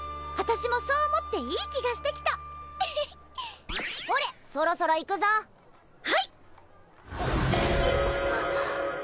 私もそう思っていい気がしてきたほれそろそろ行くぞはい！